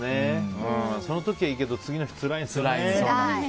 その時はいいけど次の日つらいですよね。